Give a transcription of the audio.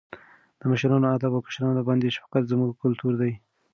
د مشرانو ادب او کشرانو باندې شفقت زموږ کلتور دی.